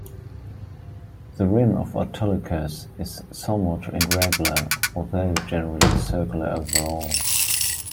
The rim of Autolycus is somewhat irregular, although generally circular overall.